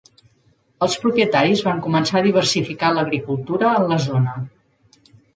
Els propietaris van començar a diversificar l'agricultura en la zona.